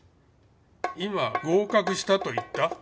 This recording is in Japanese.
今合格したと言った？